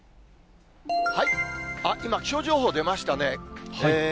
今、気象情報出ましたね。